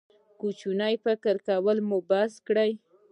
کوچنی فکر کول مو بس کړئ.